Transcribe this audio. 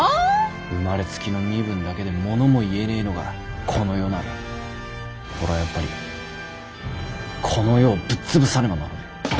生まれつきの身分だけでものも言えねえのがこの世なら俺はやっぱりこの世をぶっ潰さねばならねえ。